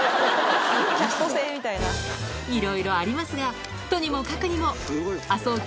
いろいろありますがとにもかくにも麻生